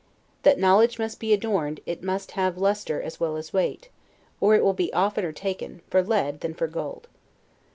That knowledge must be adorned, it must have lustre as well as weight, or it will be oftener taken, for lead than for gold.